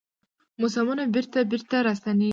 موسمونه بیرته، بیرته راستنیږي